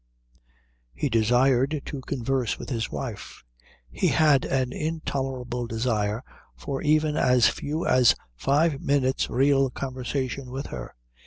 He desired to converse with his wife. He had an intolerable desire for even as few as five minutes' real conversation with her.